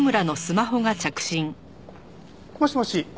もしもし。